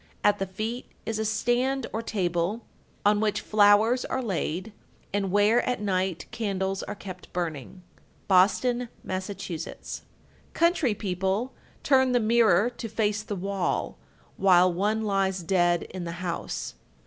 At the feet is a stand or table, on which flowers are laid, and where, at night, candles are kept burning. Boston, Mass. 1243. Country people turn the mirror to face the wall while one lies dead in the house.